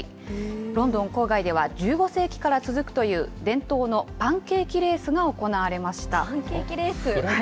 ロンドン郊外では１５世紀から続くという、伝統のパンケーキレーパンケーキレース。